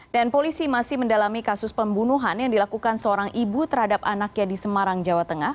dan polisi masih mendalami kasus pembunuhan yang dilakukan seorang ibu terhadap anaknya di semarang jawa tengah